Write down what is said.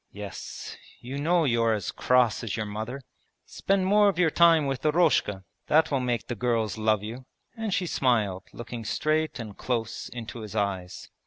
'Yes, you know you're as cross as your mother.' 'Spend more of your time with Eroshka; that will make the girls love you!' And she smiled, looking straight and close into his eyes.